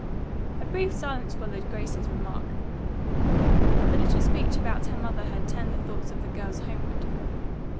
A brief silence followed Grace's remark. The little speech about her mother had turned the thoughts of the girls homeward.